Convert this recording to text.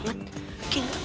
putri meoo strong